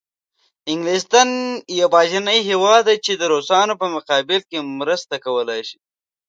انګلستان یوازینی هېواد دی چې د روسانو په مقابل کې مرسته کولای شي.